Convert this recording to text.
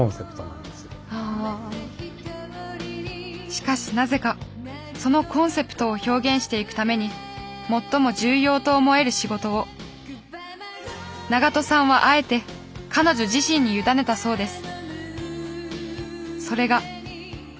しかしなぜかそのコンセプトを表現していくために最も重要と思える仕事を長戸さんはあえて彼女自身に委ねたそうです。